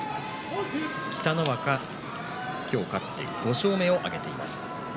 北の若、今日、勝って５勝目を挙げています。